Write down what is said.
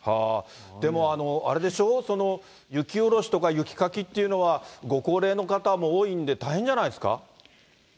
でも、あれでしょ、雪下ろしとか、雪かきっていうのは、ご高齢の方も多いんで、大変じゃないですか。